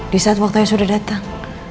di saat waktunya sudah datang